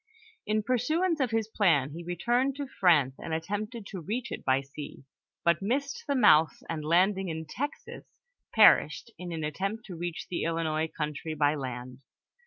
In pursuance of his plan he returned to France, and attempted to reach it by sea, but missed the mouth, and landing in Texas, perished in an attempt to reach the Illinois country by land.